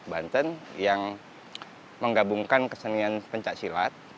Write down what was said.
banten yang menggabungkan kesenian pencak silat